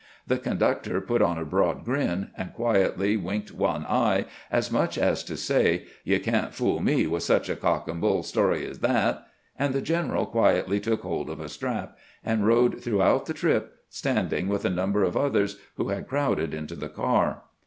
The con ductor put on a broad grin, and quietly winked one eye, as much as to say, "You can't fool me with such a cock and bull story as that"; and the general quietly took hold of a strap, and rode throughout the trip stand ing with a number of others who had crowded into the car.